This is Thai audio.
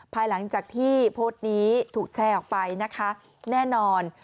ภายหลังจากที่โพสต์นี้ถูกแชร์ออกไปนะคะแน่นอน